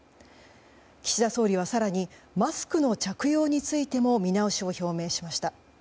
岸田総理は更にマスクの着用についても見直しを表明しました。